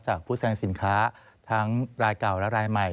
ผู้แสดงสินค้าทั้งรายเก่าและรายใหม่